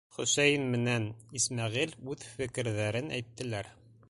Хөсәйен менән Исмәғил үҙ фекерҙәрен әйттеләр: